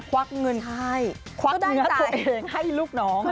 ควักเงินควักเนื้อตัวเองให้ลูกน้องอ่ะใช่